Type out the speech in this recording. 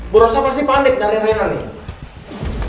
bu rosa pasti panik dari daerah nih